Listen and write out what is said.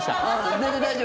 全然大丈夫。